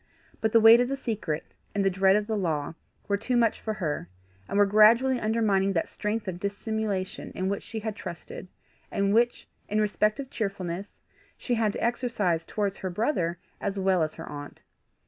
But the weight of the secret, and the dread of the law, were too much for her, and were gradually undermining that strength of dissimulation in which she had trusted, and which, in respect of cheerfulness, she had to exercise towards her brother as well as her aunt.